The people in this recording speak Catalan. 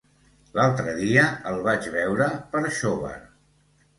L'altre dia el vaig veure per Xóvar.